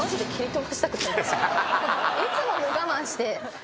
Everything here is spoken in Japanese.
いつも我慢して。